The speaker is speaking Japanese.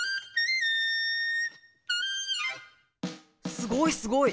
すごいすごい！